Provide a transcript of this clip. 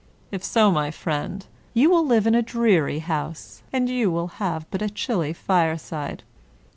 If so, my friend, you will live in a dreary house, and you will have but a chilly fire side.